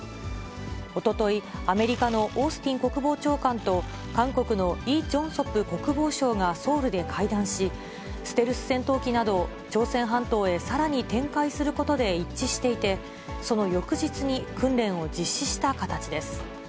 おととい、アメリカのオースティン国防長官と韓国のイ・ジョンソプ国防相がソウルで会談し、ステルス戦闘機など、朝鮮半島へさらに展開することで一致していて、その翌日に訓練を実施した形です。